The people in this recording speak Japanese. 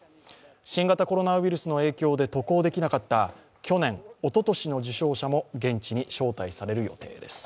新型コロナウイルスの影響で渡航できなかった去年、おととしの受賞者も現地に招待される予定です。